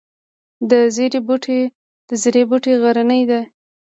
د زیرې بوټی غرنی دی